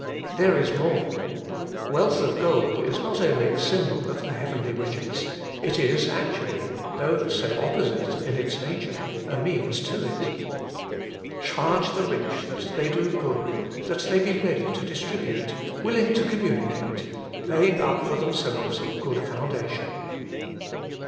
There is more. Wealth of gold is not only a symbol of the heavenly riches ; it is actually, though so opposite in its nature, a means to it. ' Charge the rich that they do good, that they be ready to distribute, will ing to communicate, laying up for them selves a good foundation.'